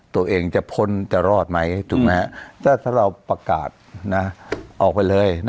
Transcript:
ตัวเองจะพ้นจะรอดไหมถูกไหมถ้าเราประกาศออกไปเลย